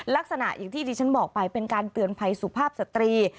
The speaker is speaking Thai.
ลักษณะอย่างที่ดิฉันบอกไปเป็นการเตือนภัยสุภาพสตรี